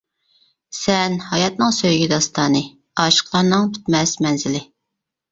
سەن ھاياتنىڭ سۆيگۈ داستانى، ئاشىقلارنىڭ پۈتمەس مەنزىلى.